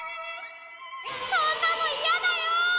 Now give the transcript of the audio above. そんなのいやだよ！